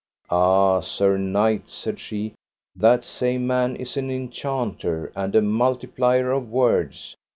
Ah, sir knight, said she, that same man is an enchanter and a multiplier of words.